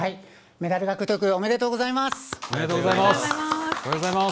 メダル獲得おめでとうございます。